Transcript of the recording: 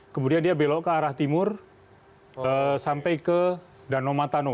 kemudian dia belok ke arah timur sampai ke danau matano